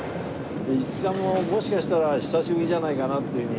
五木さんももしかしたら久しぶりじゃないかなっていうふうに。